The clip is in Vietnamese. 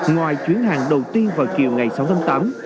ngoài chuyến hàng đầu tiên vào chiều ngày sáu tháng tám